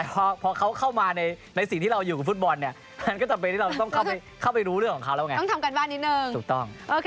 ต้องทำการบ้านนิดหนึ่งถูกต้อง